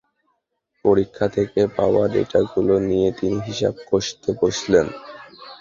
পরীক্ষা থেকে পাওয়া ডেটাগুলো নিয়ে তিনি হিসাব কষতে বসলেন।